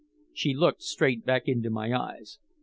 She looked straight back into my eyes.